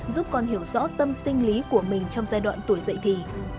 giúp con hiểu rõ tâm sinh lý của mình trong giai đoạn tuổi dậy thì